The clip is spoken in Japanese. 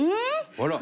あら？